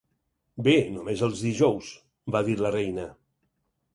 "Bé, només els dijous", va dir la Reina.